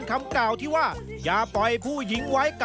กลับมาที่อีสานบ้านเฮา